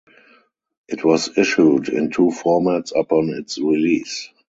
It was issued in two formats upon its release.